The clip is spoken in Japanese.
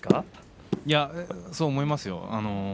そう思いますよ。